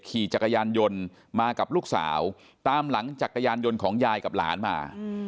ขี่จักรยานยนต์มากับลูกสาวตามหลังจักรยานยนต์ของยายกับหลานมา